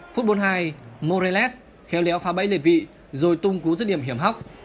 phút bốn mươi hai moreles khéo léo phá bẫy liệt vị rồi tung cú dứt điểm hiểm hóc